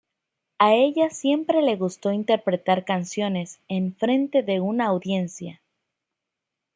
A ella siempre le gustó interpretar canciones en frente de una audiencia.